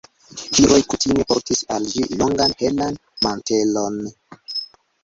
Viroj kutime portis al ĝi longan helan mantelon.